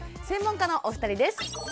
専門家のお二人です。